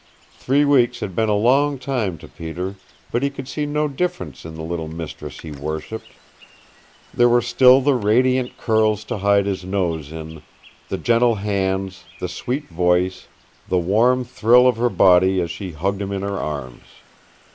Three weeks had been a long time to Peter, but he could see no difference in the little mistress he worshipped. There were still the radiant curls to hide his nose in, the gentle hands, the sweet voice, the warm thrill of her body as she hugged him in her arms.